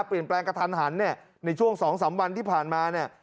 เปลี่ยนแปลงกระทันเนี่ยในช่วง๒๓วันที่ผ่านมาเนี่ย